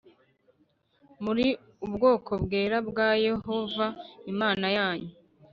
Muri ubwoko bwera bwa Yehova Imana yanyu.